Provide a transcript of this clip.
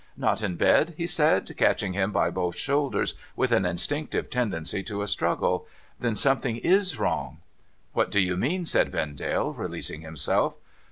* Not in bed ?' he said, catching him by both shoulders with an instinctive tendency to a struggle. ' Then something is wrong !'' What do you mean ?' said Vendale, releasing himself.